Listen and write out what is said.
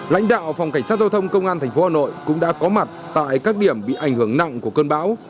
lãnh đạo phòng cảnh sát giao thông công an tp hà nội cũng đã có mặt tại các điểm bị ảnh hưởng nặng của cơn bão